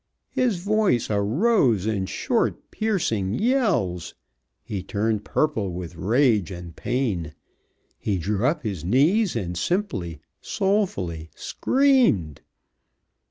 His voice arose in short, piercing yells. He turned purple with rage and pain. He drew up his knees and simply, soulfully screamed.